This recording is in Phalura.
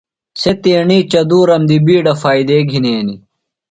سےۡ تیݨی چدُورم دی بِیڈہ فائدے گِھنینیۡ۔